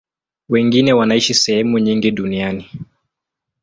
Wengine wanaishi sehemu nyingi duniani.